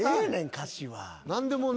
歌詞は。